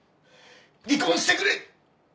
離婚してくれ！！